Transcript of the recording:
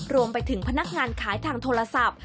รวมไปถึงพนักงานขายทางโทรศัพท์